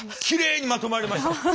きれいにまとまりました。